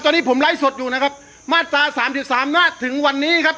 ตอนนี้ผมไลฟ์สดอยู่นะครับมาตราสามสิบสามณถึงวันนี้ครับ